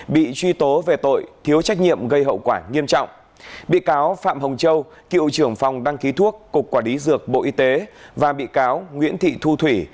bị truy tố về tội thiếu trách nhiệm gây hậu quả nghiêm trọng bị cáo phạm hồng châu cựu trưởng phòng đăng ký thuốc cục quản lý dược bộ y tế và bị cáo nguyễn thị thu thủy